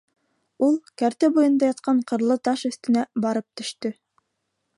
Ул кәртә буйында ятҡан ҡырлы таш өҫтөнә барып төштө.